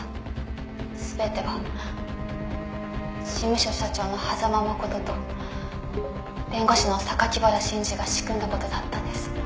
「全ては事務所社長の狭間誠と弁護士の原真次が仕組んだ事だったんです」